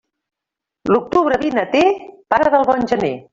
L'octubre vinater, pare del bon gener.